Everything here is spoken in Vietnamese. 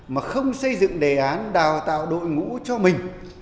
mà không xây dựng đề án đào tạo đội ngũ cho mình